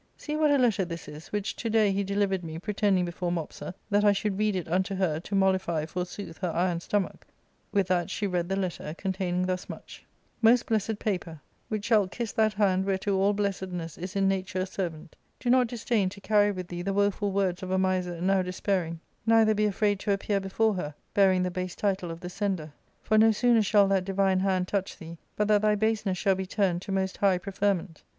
See what a letter this is, which to day he delivered me, pretending before Mopsa that I should read it unto her, to mollify, forsooth, her iron stomach;'* with that she read the letter, containing thus much :—"* Most blessed paper, which shalt kiss that hand whereto \y^ all blessedness is in nature a servant, do not disdain to carry with thee the woeful words of a miser [wretch] now despairing ; neither be afraid to appear before her, bearing the base title of the sender ; for no sooner shall that divine hand touch thee but that thy baseness shall be turned to most high pre ferment.